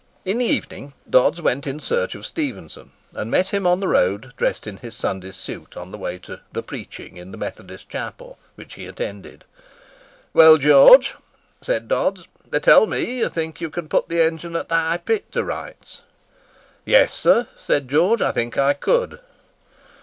In the evening, Dodds went in search of Stephenson, and met him on the road, dressed in his Sunday's suit, on the way to "the preaching" in the Methodist Chapel, which he attended. "Well, George," said Dodds, "they tell me that you think you can put the engine at the High Pit to rights." "Yes, sir," said George. "I think I could."